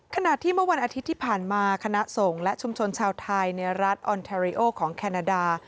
ขณะที่เมื่อวันอาทิตย์ที่ผ่านมาคณะส่งและชุมชนชาวไทยในรัฐออนแทริโอของแคนาดา